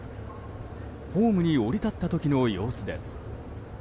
ホームに降り立った時の様子です。